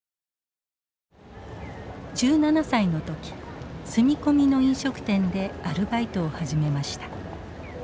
１７歳のとき住み込みの飲食店でアルバイトを始めました。